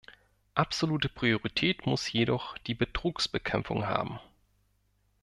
Absolute Priorität muss jedoch die Betrugsbekämpfung haben.